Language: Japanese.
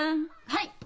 はい！